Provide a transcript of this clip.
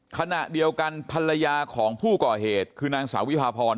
ขณะเดียวกันภรรยาของผู้ก่อเหตุคือนางสาววิพาพร